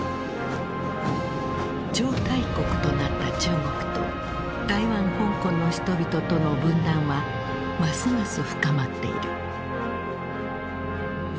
超大国となった中国と台湾香港の人々との分断はますます深まっている。